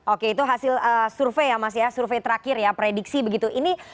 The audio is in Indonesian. oke cuma sampai hari ini